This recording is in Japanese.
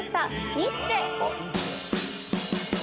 ニッチェ。